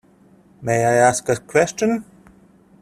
May I ask a question?